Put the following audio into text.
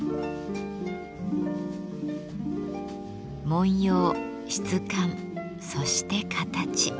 文様質感そして形。